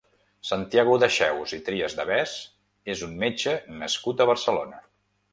Santiago Dexeus i Trias de Bes és un metge nascut a Barcelona.